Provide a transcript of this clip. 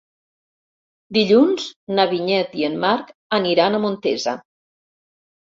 Dilluns na Vinyet i en Marc aniran a Montesa.